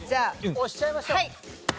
押しちゃいましょう。